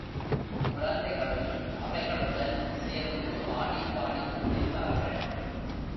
குழந்தைகளும் அவைகளுடன் சேர்ந்து ஆடிப்பாடிக் குதித்தார்கள்.